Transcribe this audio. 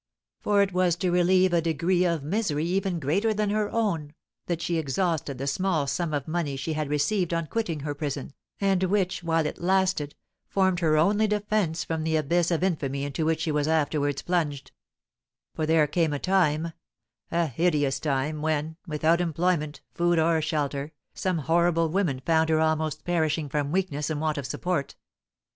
For it was to relieve a degree of misery even greater than her own that she exhausted the small sum of money she had received on quitting her prison, and which, while it lasted, formed her only defence from the abyss of infamy into which she was afterwards plunged; for there came a time, a hideous time, when, without employment, food, or shelter, some horrible women found her almost perishing from weakness and want of support.